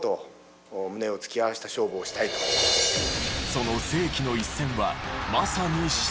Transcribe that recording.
その世紀の一戦はまさに死闘。